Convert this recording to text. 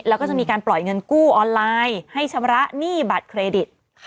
แล้วก็จะมีการปล่อยเงินกู้ออนไลน์ให้ชำระหนี้บัตรเครดิต